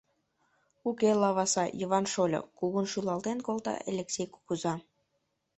— Уке, лаваса, Йыван шольо, — кугун шӱлалтен колта Элексей кугыза.